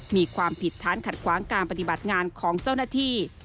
มีความผิดฐานขัดขวางการปฏิบัติงานของเจ้าหน้าที่